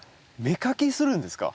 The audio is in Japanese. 芽かきするんですか？